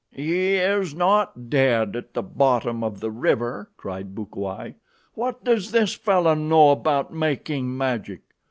"He is not dead at the bottom of the river," cried Bukawai. "What does this fellow know about making magic?